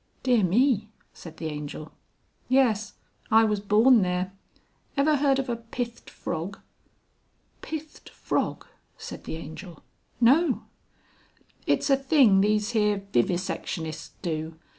"Dear me," said the Angel. "Yes, I was born there. Ever heard of a pithed frog?" "Pithed frog," said the Angel. "No!" "It's a thing these here vivisectionists do.